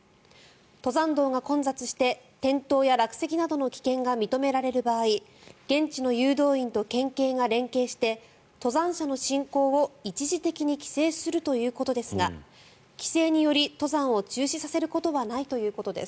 登山道が混雑して転倒や落石などの危険が認められる場合現地の誘導員と県警が連携して登山者の進行を一時的に規制するということですが規制により登山を中止させることはないということです。